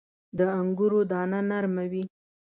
• د انګورو دانه نرمه وي.